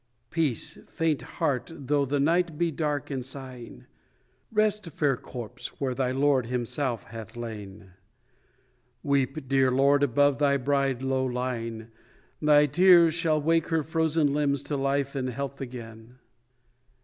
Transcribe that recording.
Peace, faint heart, though the night be dark and sighing; Rest, fair corpse, where thy Lord himself hath lain. Weep, dear Lord, above thy bride low lying; Thy tears shall wake her frozen limbs to life and health again.